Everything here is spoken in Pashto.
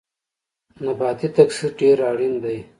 نباتي تکثیر ډیر اړین دی